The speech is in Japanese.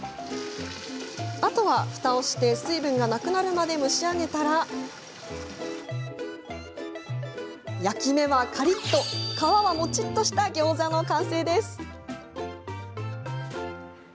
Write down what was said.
あとは、ふたをして水分がなくなるまで蒸し上げたら焼き目はカリっと皮はもちっとしたギョーザの完成です。